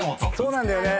そうなんだよね。